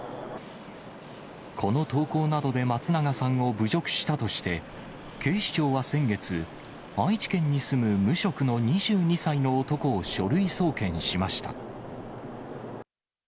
この投稿などで松永さんを侮辱したとして、警視庁は先月、愛知県に住む無職の２２歳の男を書類送検しました。